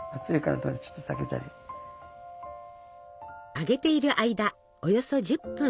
揚げている間およそ１０分。